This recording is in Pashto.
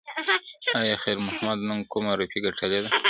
ایا خیر محمد نن کومه روپۍ ګټلې ده؟